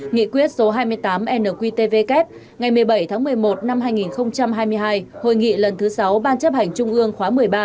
nghị quyết số hai mươi tám nqtvk ngày một mươi bảy tháng một mươi một năm hai nghìn hai mươi hai hội nghị lần thứ sáu ban chấp hành trung ương khóa một mươi ba